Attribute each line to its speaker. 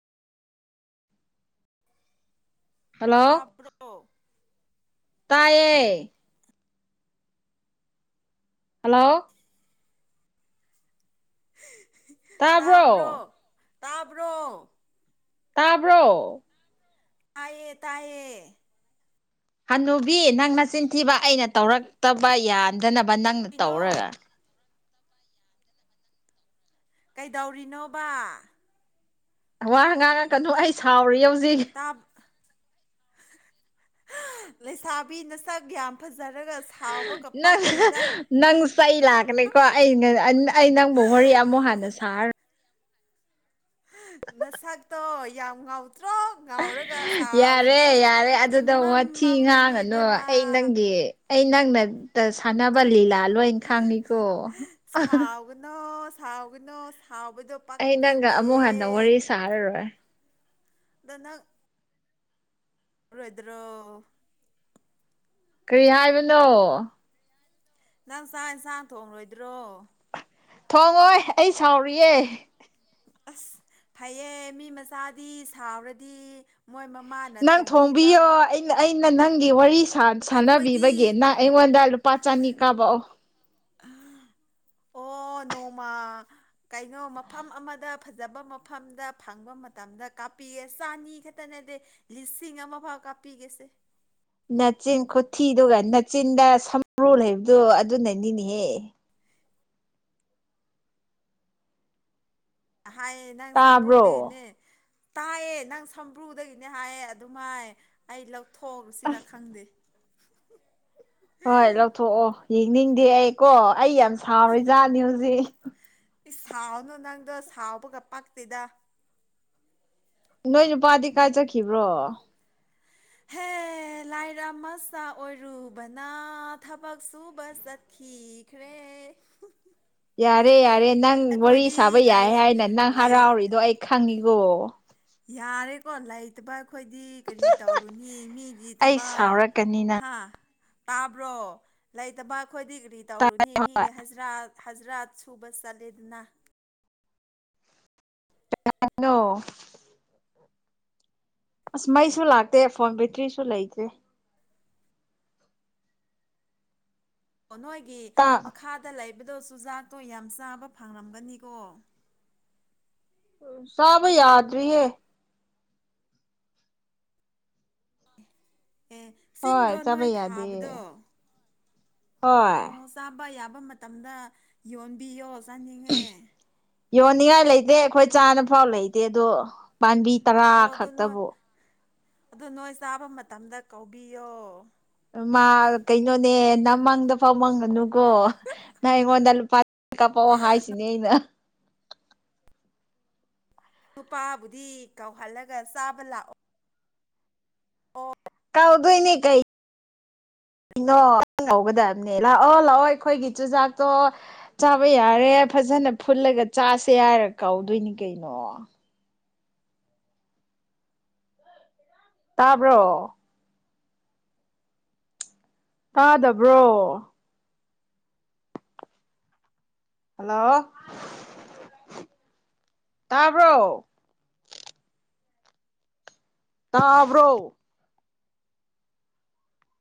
Speaker 1: hello
Speaker 2: ꯇꯥꯕ꯭ꯔꯣ
Speaker 1: ꯇꯥꯏꯌꯦ hello
Speaker 2: ꯇꯥꯕ꯭ꯔꯣ ꯇꯥꯕ꯭ꯔꯣ
Speaker 1: ꯇꯥꯕ꯭ꯔꯣ
Speaker 2: ꯇꯥꯌꯦ ꯇꯥꯌꯦ
Speaker 1: ꯍꯅꯨꯕꯤ ꯅꯪ ꯅꯆꯤꯟꯊꯤꯕ ꯑꯩꯅ ꯇꯧꯔꯛꯇꯕ ꯌꯥꯟꯗꯅꯕ ꯅꯪꯅ
Speaker 2: ꯀꯩꯅꯣ
Speaker 1: ꯇꯧꯔꯒ
Speaker 2: ꯀꯩꯗꯧꯔꯤꯅꯣꯕ
Speaker 1: ꯋꯥ ꯉꯥꯡꯉꯥꯛꯀꯅꯨ ꯑꯩ ꯁꯥꯎꯔꯤ ꯍꯧꯖꯤꯛ
Speaker 2: ꯂꯩꯁꯥꯕꯤ ꯅꯁꯛ ꯌꯥꯝ ꯐꯖꯔꯒ ꯁꯥꯎꯕꯒ
Speaker 1: ꯅꯪ
Speaker 2: ꯄꯥꯛꯇꯦꯗ
Speaker 1: ꯅꯪ ꯆꯩ ꯂꯥꯛꯀꯅꯤꯀꯣ ꯑꯩ ꯑꯩ ꯅꯪꯕꯨ ꯋꯥꯔꯤ ꯑꯃꯨꯛ ꯍꯥꯟꯅ ꯁꯥꯔ
Speaker 2: ꯅꯁꯥꯛꯇꯣ ꯌꯥꯝ ꯉꯥꯎꯗ꯭ꯔꯣ ꯉꯥꯎꯔꯒ ꯁꯥꯎꯔꯗꯤ
Speaker 1: ꯌꯥꯔꯦ ꯌꯥꯔꯦ ꯑꯗꯨꯗ ꯋꯥꯊꯤ
Speaker 2: ꯏꯃꯝꯃꯝꯔꯅꯤ
Speaker 1: ꯉꯥꯡꯉꯅꯨ
Speaker 2: ꯏꯕꯦꯃꯥ
Speaker 1: ꯑꯩ ꯅꯪꯒꯤ ꯑꯩ ꯅꯪꯅ ꯁꯥꯟꯅꯕ ꯂꯤꯂꯥ ꯂꯣꯏ ꯈꯪꯉꯤꯀꯣ
Speaker 2: ꯅꯣ ꯁꯥꯎꯒꯅꯣ ꯁꯥꯎꯕꯗꯣ
Speaker 1: ꯑꯩ ꯅꯪꯒ
Speaker 2: ꯄꯛꯇꯗꯦ
Speaker 1: ꯑꯃꯨꯛ ꯍꯟꯅ ꯋꯥꯔꯤ ꯁꯥꯔꯔꯣꯏ
Speaker 2: ꯗꯅꯪ ꯔꯣꯏꯗꯔꯣ
Speaker 1: ꯀꯔꯤ ꯍꯥꯏꯕꯅꯣ
Speaker 2: ꯅꯪ ꯆꯥꯛ ꯌꯦꯟꯁꯥꯡ ꯊꯣꯡꯂꯣꯏꯗ꯭ꯔꯣ
Speaker 1: ꯊꯣꯡꯉꯣꯏ ꯑꯩ ꯁꯥꯎꯔꯤꯌꯦ
Speaker 2: ꯑꯁ ꯐꯩꯌꯦ ꯃꯤ ꯃꯆꯥꯗꯤ ꯁꯥꯎꯔꯗꯤ ꯃꯣꯏ ꯃꯃꯥꯅ
Speaker 1: ꯅꯪ
Speaker 2: ꯊꯣꯡꯕꯤꯕ
Speaker 1: ꯊꯣꯝꯕꯤꯌꯣ ꯑꯩ ꯑꯩꯅ ꯅꯪꯒꯤ ꯋꯥꯔꯤ ꯁꯥꯟꯅꯕꯤꯕꯒꯤ
Speaker 2: ꯑꯩꯈꯣꯏꯗꯤ
Speaker 1: ꯅꯪ ꯑꯩꯉꯣꯟꯗ ꯂꯨꯄꯥ ꯆꯅꯤ ꯀꯥꯕꯛꯑꯣ
Speaker 2: ꯑꯣ ꯅꯣꯡꯃ ꯀꯩꯅꯣ ꯃꯐꯝ ꯑꯃꯗ ꯐꯖꯕ ꯃꯐꯝꯗ ꯐꯪꯕ ꯃꯇꯝꯗ ꯀꯥꯞꯄꯤꯌꯦ ꯆꯥꯅꯤ ꯈꯛꯇ ꯅꯗꯤ ꯂꯤꯆꯤꯡ ꯑꯃꯥ ꯐꯥꯎ ꯀꯥꯞꯄꯤꯒꯦꯁꯦ
Speaker 1: ꯅꯥꯆꯤꯟ ꯈꯨꯊꯤꯗꯨꯒ ꯅꯥꯆꯤꯟꯗ ꯁꯝꯕ꯭ꯔꯨ ꯂꯩꯕꯗꯣ ꯑꯗꯨꯅꯅꯤꯅꯦꯍꯦ
Speaker 2: ꯍꯥꯏꯌꯦ ꯅꯪ
Speaker 1: ꯇꯥꯕ꯭ꯔꯣ
Speaker 2: ꯁꯝꯕ꯭ꯔꯨꯗꯤꯅꯦ ꯇꯥꯏꯌꯦ ꯅꯪ ꯁꯝꯕ꯭ꯔꯨꯗꯒꯤꯅꯦ ꯍꯥꯏꯌꯦ ꯑꯗꯨꯃꯥꯏ ꯑꯩ ꯂꯧꯊꯣꯛꯎꯁꯤꯔꯥ ꯈꯪꯗꯦ
Speaker 1: ꯍꯣꯏ ꯂꯧꯊꯣꯛꯑꯣ ꯌꯦꯡꯅꯤꯡꯗꯦ ꯑꯩ ꯀꯣ ꯑꯩ ꯌꯥꯝ ꯁꯥꯎꯔꯤꯖꯥꯠꯅꯤ ꯍꯧꯖꯤꯛ
Speaker 2: ꯏꯁ ꯁꯥꯎꯅꯨ ꯅꯪꯗꯣ ꯁꯥꯎꯕꯒ ꯄꯥꯛꯇꯦꯗ
Speaker 1: ꯅꯣꯏ ꯅꯨꯄꯥꯗꯤ ꯀꯥꯏ ꯆꯠꯈꯤꯕ꯭ꯔꯣ
Speaker 2: ꯍꯦ ꯂꯥꯏꯔ ꯃꯆꯥ ꯑꯣꯏꯔꯨꯕꯅ ꯊꯕꯛ ꯁꯨꯕ ꯆꯠꯈꯤ ꯈ꯭ꯔꯦ
Speaker 1: ꯌꯥꯔꯦ ꯌꯥꯔꯦ ꯅꯪ ꯋꯥꯔꯤ ꯁꯥꯕ
Speaker 2: ꯂꯩ
Speaker 1: ꯌꯥꯏ ꯍꯥꯏꯅ ꯅꯪ
Speaker 2: ꯂꯩ
Speaker 1: ꯍꯔꯥꯎꯔꯤꯗꯣ ꯑꯩ ꯈꯪꯉꯤꯒꯣ
Speaker 2: ꯌꯥꯔꯦꯀꯣ ꯅꯩ ꯇꯕ ꯑꯩꯈꯣꯏꯗꯤ ꯀꯔꯤ ꯇꯧꯔꯨꯅꯤ ꯃꯤꯒꯤ
Speaker 1: ꯑꯩ
Speaker 2: ꯊꯕꯛ
Speaker 1: ꯁꯥꯎꯔꯛꯀꯅꯤ ꯅꯪ
Speaker 2: ꯍꯥ ꯇꯥꯕ꯭ꯔꯣ ꯂꯩꯇꯕ ꯑꯩꯈꯣꯏꯗꯤ ꯀꯔꯤ
Speaker 1: ꯇꯥꯏ
Speaker 2: ꯇꯧꯔꯨꯅꯤ ꯃꯤ
Speaker 1: ꯍꯣꯏ
Speaker 2: ꯍꯖꯔꯥꯠ ꯍꯖꯔꯥꯠ ꯁꯨꯕ ꯆꯠꯂꯦꯗꯅ
Speaker 1: ꯀꯅꯥꯅꯣ ꯑꯁ ꯃꯩꯁꯨ ꯂꯥꯛꯇꯦ ꯐꯣꯟ ꯕꯦꯇ꯭ꯔꯤꯁꯨ ꯂꯩꯇ꯭ꯔꯦ
Speaker 2: ꯑꯣ ꯅꯣꯏꯒꯤ ꯃꯈꯥꯗ ꯂꯩꯕꯗꯣ ꯆꯨꯖꯥꯛꯇꯣ ꯌꯥꯝ ꯆꯥꯕ ꯐꯪꯂꯝꯒꯅꯤꯀꯣ
Speaker 1: ꯆꯥꯕ ꯌꯥꯗ꯭ꯔꯤꯌꯦ
Speaker 2: ꯑꯦ
Speaker 1: ꯍꯣꯏ
Speaker 2: ꯆꯤꯡꯗ꯭ꯔꯣ
Speaker 1: ꯆꯥꯕ
Speaker 2: ꯅꯣꯏ
Speaker 1: ꯌꯥꯗꯦ
Speaker 2: ꯊꯥꯕꯗꯣ
Speaker 1: ꯍꯣꯏ
Speaker 2: ꯑꯣ ꯆꯥꯕ ꯌꯥꯕ ꯃꯇꯝꯗ ꯌꯣꯟꯕꯤꯌꯣ ꯆꯥꯅꯤꯡꯉꯦ
Speaker 1: ꯌꯣꯟꯅꯤꯡꯉꯥꯏ ꯂꯩꯇꯦ ꯑꯩꯈꯣꯏ ꯆꯥꯅ ꯐꯥꯎ ꯂꯩꯇꯦ ꯑꯗꯣ ꯄꯥꯟꯕꯤ ꯇꯔꯥ
Speaker 2: ꯑꯣ ꯑꯗꯨ ꯅꯣꯏ
Speaker 1: ꯈꯛꯇꯕꯨ
Speaker 2: ꯑꯗꯨ ꯅꯣꯏ ꯆꯥꯕ ꯃꯇꯝꯗ ꯀꯧꯕꯤꯌꯣ
Speaker 1: ꯃꯥ ꯀꯩꯅꯣꯅꯦ ꯅꯃꯪꯗꯐꯥꯎ ꯃꯪꯒꯅꯨꯀꯣ ꯅꯪ ꯑꯩꯉꯣꯟꯗ ꯂꯨꯄꯥ ꯀꯥꯄꯛꯑꯣ ꯍꯥꯏꯁꯤꯅꯤ ꯑꯩꯅ
Speaker 2: ꯅꯨꯄꯥꯕꯨꯗꯤ ꯀꯧꯍꯜꯂꯒ ꯆꯥꯕ ꯂꯥꯛ ꯑꯣ
Speaker 1: ꯇꯧꯗꯣꯏꯅꯤ ꯀꯩ ꯀꯩꯅꯣ [unintelligible] ꯂꯥꯛꯑꯣ ꯂꯥꯛꯑꯣ ꯑꯩꯈꯣꯏꯒꯤ ꯆꯨꯖꯥꯛꯇꯣ ꯆꯥꯕ ꯌꯥꯔꯦ ꯐꯖꯅ ꯐꯨꯜꯂꯒ ꯆꯥꯁꯦ ꯍꯥꯏꯔ ꯀꯥꯎꯗꯣꯏꯅꯤ ꯀꯩꯅꯣ ꯇꯥꯕ꯭ꯔꯣ ꯇꯥꯗꯕ꯭ꯔꯣ ꯍꯜꯂꯣ ꯇꯥꯕ꯭ꯔꯣ ꯇꯥꯕ꯭ꯔꯣ